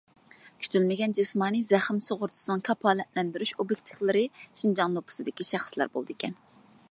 كۈتۈلمىگەن جىسمانىي زەخىم سۇغۇرتىسىنىڭ كاپالەتلەندۈرۈش ئوبيېكتلىرى شىنجاڭ نوپۇسىدىكى شەخسلەر بولىدىكەن.